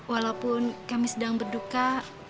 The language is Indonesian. walaupun kami sedang berduka